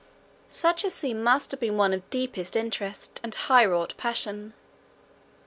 Such a scene must have been one of deepest interest and high wrought passion.